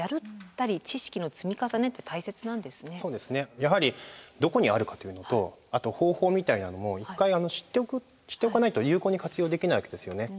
やはりどこにあるかというのとあと方法みたいなのも一回知っておかないと有効に活用できないわけですよね。